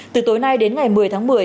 từ tối nay đến ngày một mươi tháng một mươi